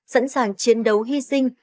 sẵn sàng chiến đấu hy sinh